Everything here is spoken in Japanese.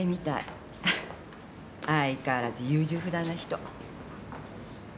相変わらず優柔不断な人。